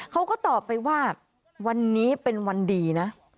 เขาก็ตอบไปว่าวันนี้เป็นวันดีนะ